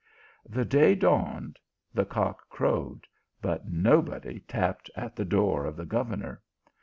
The day dawned, the cock crowed, but nobody tapped at the door of the governor.